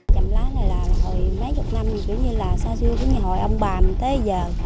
chầm lá này là mấy chục năm sau xưa hồi ông bà mình tới bây giờ